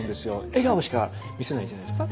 笑顔しか見せないんじゃないですか？